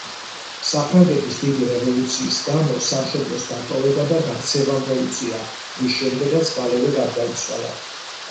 საფრანგეთის დიდი რევოლუციის გამო სამშობლოს დატოვება და გაქცევამ მოუწია, რის შემდეგაც მალევე გარდაიცვალა.